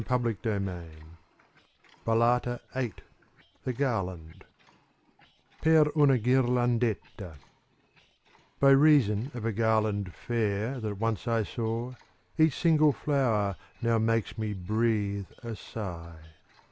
9* CANZONIERE BALLATA VIII fj^ Cu t THE GARLAND Per una ghlrlandetta By reason of a garland fair That once I saw, each single flower Now makes me breathe a sigh.